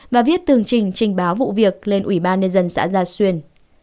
và viết tường trình trình báo vụ việc lên ủy ban nhân dân xã gia xuyên